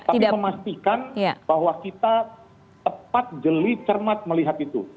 tapi memastikan bahwa kita tepat jeli cermat melihat itu